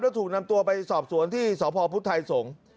แล้วถูกนำตัวไปสอบสวนที่สพพุทธไทยสงศ์